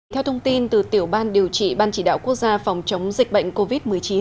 theo thông tin từ tiểu ban điều trị ban chỉ đạo quốc gia phòng chống dịch bệnh covid một mươi chín